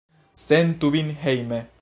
Sentu vin hejme!